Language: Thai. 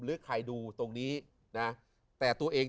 หรือใครดูตรงนี้นะแต่ตัวเอง